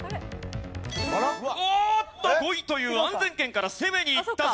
おっと５位という安全圏から攻めにいったぞ